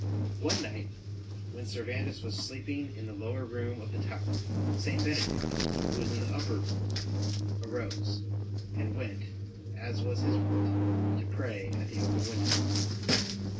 One night when Servandus was sleeping ST. BENEDICT 103 in the lower room of the tower, St. Benedict, who was in the upper room, arose, and went, as was his wont, to pray at the open window.